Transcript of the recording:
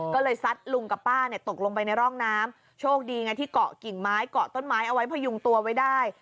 ก็เลยซัดลุงกับป้าเนี่ยตกลงไปในร่องน้ำโชคดีไงที่เกาะกิ่งไม้เกาะต้นไม้เอาไว้พยุงตัวไว้ได้